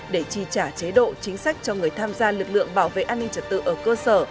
để chi trả chế độ chính sách cho người tham gia lực lượng bảo vệ an ninh trật tự ở cơ sở